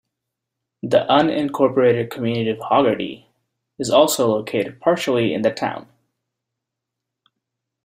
The unincorporated community of Hogarty is also located partially in the town.